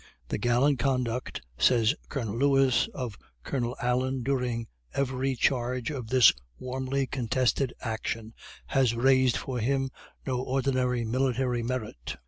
"The gallant conduct," says Colonel Lewis, "of Colonel Allen during every charge of this warmly contested action, has raised for him no ordinary military merit.